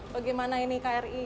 bagaimana ini kri